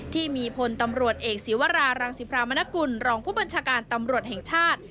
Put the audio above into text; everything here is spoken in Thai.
ที่มีพลตำรวจเอกศีวรารังสิพรามนกุลรองผู้บัญชาการตำรวจแห่งชาติ